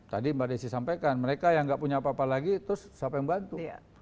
tadi mbak desi sampaikan mereka yang nggak punya apa apa lagi terus siapa yang bantu